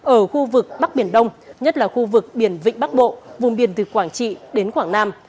ở khu vực bắc biển đông nhất là khu vực biển vịnh bắc bộ vùng biển từ quảng trị đến quảng nam